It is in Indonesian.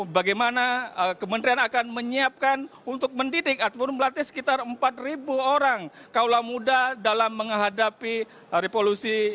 bagaimana kementerian akan menyiapkan untuk mendidik ataupun melatih sekitar empat orang kaula muda dalam menghadapi revolusi